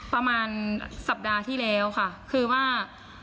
ประมาณสัปดาห์ที่แล้วค่ะคือว่า